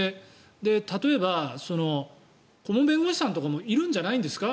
例えば顧問弁護士さんとかもいるんじゃないですか。